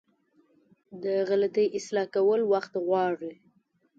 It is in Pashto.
د غلطي اصلاح کول وخت غواړي.